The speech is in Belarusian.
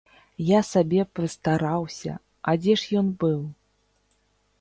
Я сабе прыстараўся, а дзе ж ён быў?